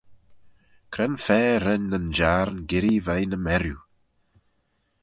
Cre'n fa ren nyn jiarn girree veih ny merriu?